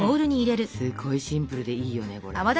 すごいシンプルでいいよねこれ。